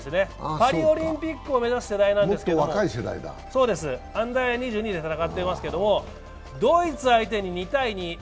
パリオリンピックを目指す世代なんですけとＵー２２で戦ってますけど、ドイツ相手に２−２。